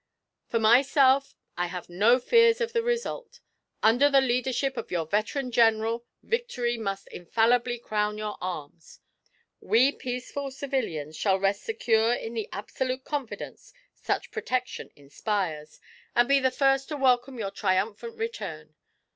For myself, I have no fears of the result. Under the leadership of your veteran General, victory must infallibly crown your arms. We peaceful civilians shall rest secure in the absolute confidence such protection inspires, and be the first to welcome your triumphant return.